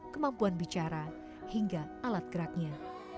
kemampuan bicara hingga alat geraknya